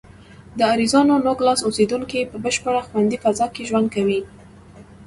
د اریزونا نوګالس اوسېدونکي په بشپړه خوندي فضا کې ژوند کوي.